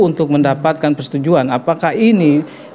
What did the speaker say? untuk mendapatkan persetujuan apakah ini